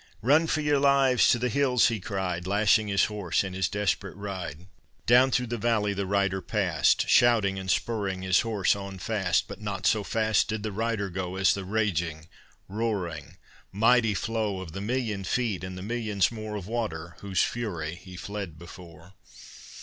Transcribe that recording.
"Run for your lives to the hills!" he cried, Lashing his horse in his desperate ride. Down through the valley the rider passed, Shouting, and spurring his horse on fast; But not so fast did the rider go As the raging, roaring, mighty flow Of the million feet and the millions more Of water whose fury he fled before.